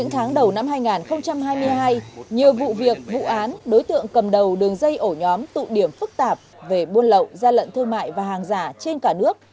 chín tháng đầu năm hai nghìn hai mươi hai nhiều vụ việc vụ án đối tượng cầm đầu đường dây ổ nhóm tụ điểm phức tạp về buôn lậu gian lận thương mại và hàng giả trên cả nước